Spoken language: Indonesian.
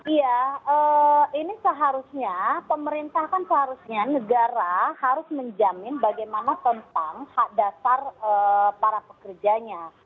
iya ini seharusnya pemerintah kan seharusnya negara harus menjamin bagaimana tentang hak dasar para pekerjanya